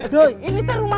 doi ini terumak